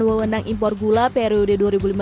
dan wewenang impor gula periode dua